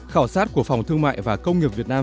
khảo sát của phòng thương mại và công nghiệp việt nam